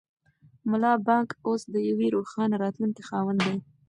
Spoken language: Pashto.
ملا بانګ اوس د یوې روښانه راتلونکې خاوند دی.